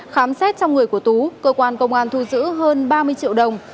khám xét trong người của tú cơ quan công an thu giữ hơn ba mươi triệu đồng